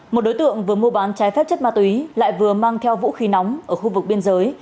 một đối tượng vừa mua bán trái phép chất ma túy lại vừa mang theo vũ khí nóng ở khu vực biên giới